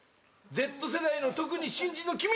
Ｚ世代の特に新人の君。